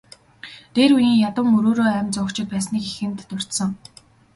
Дээр үеийн ядуу мөрөөрөө амь зуугчид байсныг эхэнд дурдсан.